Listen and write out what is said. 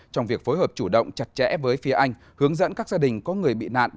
trong việc phối hợp chủ động chặt chẽ với phía anh hướng dẫn các gia đình có người bị nạn